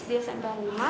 di smp lima